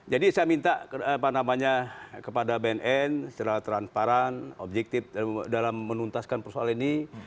jadi saya minta kepada bnn secara transparan objektif dalam menuntaskan persoalan ini